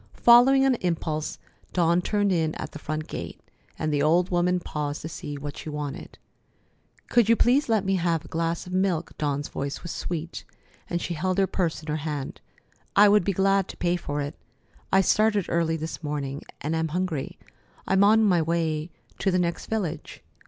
Following an impulse, Dawn turned in at the front gate, and the old woman paused to see what she wanted: "Could you let me have a glass of milk?" Dawn's voice was sweet, and she held her purse in her hand. "I would be glad to pay for it. I started early this morning, and am hungry. I'm on my way to the next village."